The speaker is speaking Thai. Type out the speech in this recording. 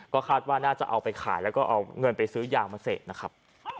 ก็คาดว่าน่าจะเอาไปขายแล้วก็เอาเงินไปซื้อยางมาเสพนะครับ